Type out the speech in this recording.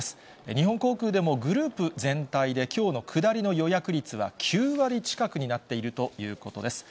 日本航空でもグループ全体で、きょうの下りの予約率は９割近くになっているということです。